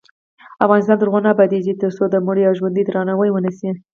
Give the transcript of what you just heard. افغانستان تر هغو نه ابادیږي، ترڅو د مړي او ژوندي درناوی ونشي.